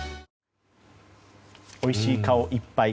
おいしい顔いっぱい。